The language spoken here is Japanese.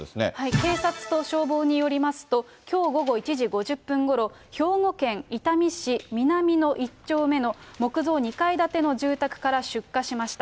警察と消防によりますと、きょう午後１時５０分ごろ、兵庫県伊丹市みなみの１丁目の木造２階建ての住宅から出火しました。